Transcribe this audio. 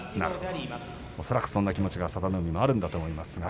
恐らくそんな気持ちが佐田の海にも、あると思います。